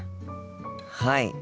はい。